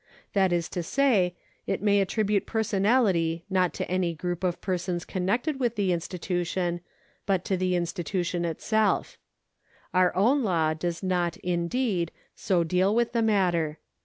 That is to say, it may attribute personahty not to any grouj) of persons connected with the institution, but to the institu tion itself. Our own law does not, indeed, so deal with the matter.